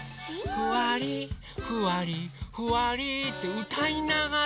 「ふわりふわりふわり」ってうたいながらふいてるんだって。